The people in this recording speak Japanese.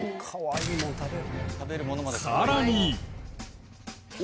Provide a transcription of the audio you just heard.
さらに！